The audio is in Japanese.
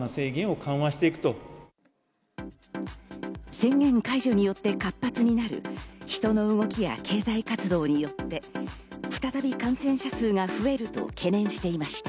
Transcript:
宣言解除によって活発になる人の動きや経済活動によって、再び感染者数が増えると懸念していました。